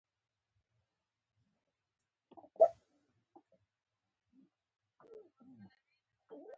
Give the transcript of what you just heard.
په ځنګل کې مې د وړانګو غیږ کړه ډکه